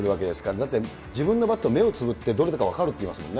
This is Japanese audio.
だって自分のバット、目をつむってどれだか分かるっていいますもんね。